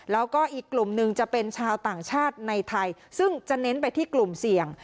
แล้วก็อีกกลุ่มหนึ่งจะเป็นชาวต่างชาติในไทยซึ่งจะเน้นไปที่กลุ่มเสี่ยง